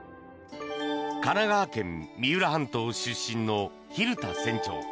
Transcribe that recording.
神奈川県・三浦半島出身の蛭田船長。